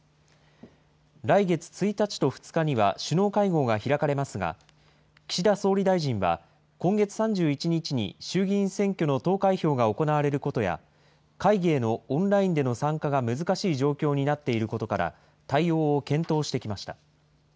来月１日と２日には、首脳会合が開かれますが、岸田総理大臣は、今月３１日に衆議院選挙の投開票が行われることや、会議へのオンラインでの参加が難しい状況になっていることから、対応を検討してきました。